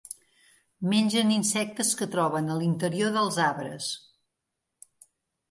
Mengen insectes que troben a l'interior dels arbres.